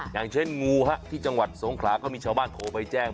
อย่างเช่นงูที่จังหวัดสงขลาก็มีชาวบ้านโทรไปแจ้ง